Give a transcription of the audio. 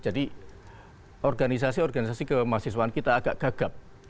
jadi organisasi organisasi kemahasiswaan kita agak gagap